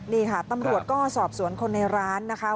นี่ค่ะตำรวจก็สอบสวนคนในร้านนะคะ